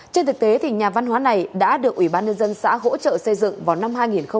trên thực tế nhà văn hóa này đã được ubnd xã hỗ trợ xây dựng vào năm hai nghìn một mươi bảy